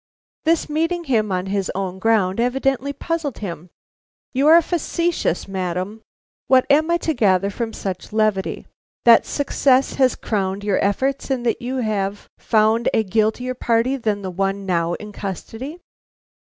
This meeting him on his own ground evidently puzzled him. "You are facetious, madam. What am I to gather from such levity? That success has crowned your efforts, and that you have found a guiltier party than the one now in custody?"